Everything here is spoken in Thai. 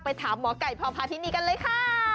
ถามหมอไก่พอพาทินีกันเลยค่ะ